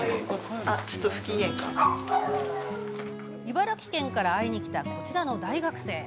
茨城県から会いに来たこちらの大学生。